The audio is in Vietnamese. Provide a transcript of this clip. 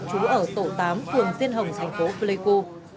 trú ở tổ tám phường tiên hồng thành phố pleiku